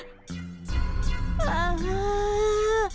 ああ。